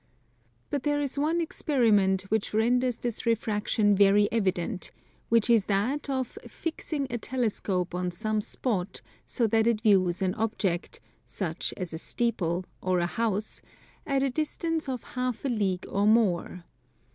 But there is one experiment which renders this refraction very evident; which is that of fixing a telescope on some spot so that it views an object, such as a steeple or a house, at a distance of half a league or more.